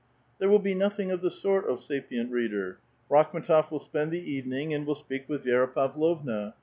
There will be nothing of the sort, O sapient reader. Rakhm^tof will spend the evening, will speak with Vi^ra Pavlovna.